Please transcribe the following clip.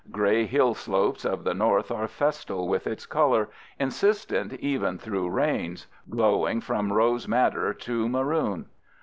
Gray hill slopes of the North are festal with its color, insistent even through rains, glowing from rose madder to maroon.